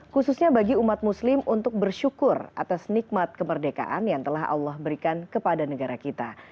khususnya bagi umat muslim untuk bersyukur atas nikmat kemerdekaan yang telah allah berikan kepada negara kita